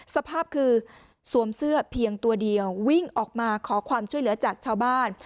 สภาพคือสวมเสื้อเพียงตัวเดียววิ่งออกมาขอความช่วยเหลือจากชาวบ้าน